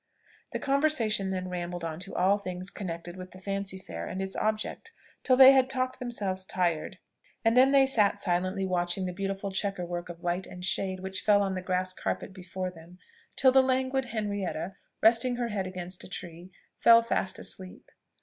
The conversation then rambled on to all things connected with the fancy fair and its object, till they had talked themselves tired; and then they sat silently watching the beautiful checker work of light and shade which fell on the grass carpet before them, till the languid Henrietta, resting her head against a tree, fell fast asleep.